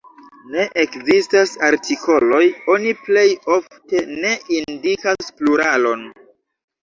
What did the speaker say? Ne ekzistas artikoloj; oni plej ofte ne indikas pluralon.